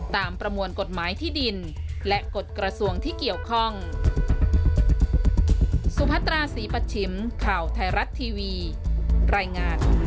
ประมวลกฎหมายที่ดินและกฎกระทรวงที่เกี่ยวข้อง